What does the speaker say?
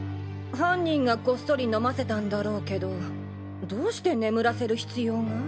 犯人がこっそり飲ませたんだろうけどどうして眠らせる必要が？